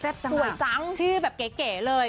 สวยจังชื่อแบบเก๋เลย